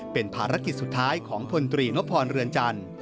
เป็นภารกิจสุดท้ายของพลตรีนพรเรือนจันทร์